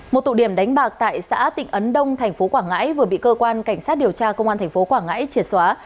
một tụ điểm đánh bạc tại xã tịnh ấn đông thành phố quảng ngãi vừa bị cơ quan cảnh sát điều tra công an tp quảng ngãi triệt xóa